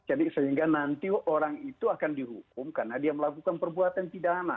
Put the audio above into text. jadi sehingga nanti orang itu akan dihukum karena dia melakukan perbuatan pidana